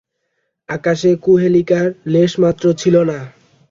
আকাশে কুহেলিকার লেশমাত্র ছিল না।